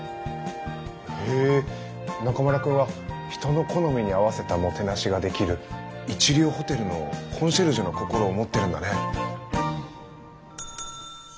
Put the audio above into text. へえ中村くんは人の好みに合わせたもてなしができる一流ホテルのコンシェルジュの心を持ってるんだね。